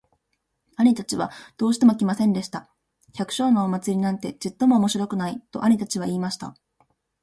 兄たちはどうしても来ませんでした。「百姓のお祭なんてちっとも面白くない。」と兄たちは言いました。